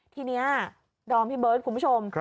ทีนี้ดอมพี่เบิร์ดคุณผู้ชม